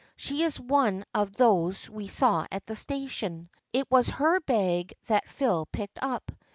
She is one of those we saw in the station. It was her bag that Phil picked up.